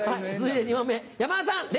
山田さん！